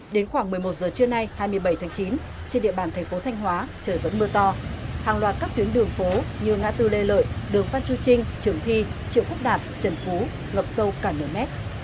đến khoảng một mươi một giờ trưa nay hai mươi bảy tháng chín trên địa bàn thành phố thanh hóa trời vẫn mưa to hàng loạt các tuyến đường phố như ngã tư lê lợi đường phan chu trinh trường thi triệu quốc đạt trần phú ngập sâu cả nửa mét